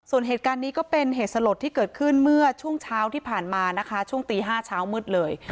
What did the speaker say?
ส่วนเหตุการณ์นี้ก็เป็นเหตุสลดที่เกิดขึ้นเมื่อช่วงเช้าที่ผ่านมานะคะช่วงตี๕เช้ามืดเลย